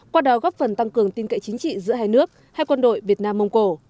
qua đó góp phần tăng cường tin cậy chính trị giữa hai nước hai quân đội việt nam mông cổ